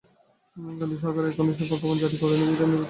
কিন্তু সরকার এখনো সেই প্রজ্ঞাপন জারি করেনি বিধায় নির্বাচন হচ্ছে না।